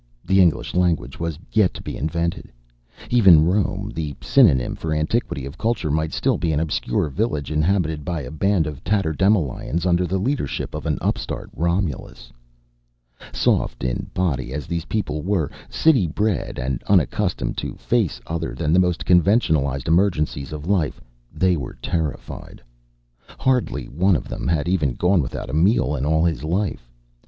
The English language was yet to be invented. Even Rome, the synonym for antiquity of culture, might still be an obscure village inhabited by a band of tatterdemalions under the leadership of an upstart Romulus. Soft in body as these people were, city bred and unaccustomed to face other than the most conventionalized emergencies of life, they were terrified. Hardly one of them had even gone without a meal in all his life.